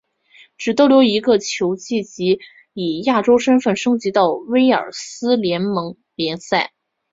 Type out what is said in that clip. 只逗留一个球季即以亚军身份升级到威尔斯联盟联赛。